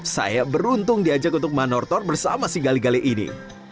saya beruntung diajak untuk manortor bersama si gale gale ini